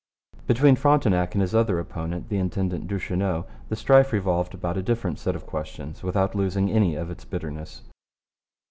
Between Frontenac and his other opponent, the intendant Duchesneau, the strife revolved about a different set of questions without losing any of its bitterness.